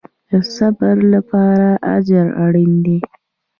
د صبر لپاره اجر اړین دی